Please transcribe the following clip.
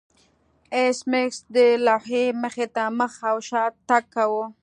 ایس میکس د لوحې مخې ته مخ او شا تګ کاوه